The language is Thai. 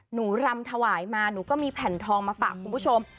รำถวายมาหนูก็มีแผ่นทองมาฝากคุณผู้ชม